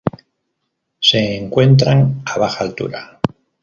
Se encuentran a baja altura.